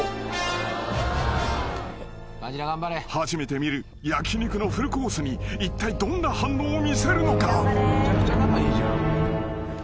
［初めて見る焼き肉のフルコースにいったいどんな反応を見せるのか？］